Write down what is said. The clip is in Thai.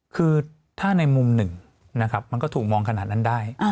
คือถ้าในมุมหนึ่งนะครับมันก็ถูกมองขนาดนั้นได้